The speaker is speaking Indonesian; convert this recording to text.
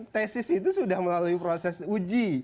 tesis itu sudah melalui proses uji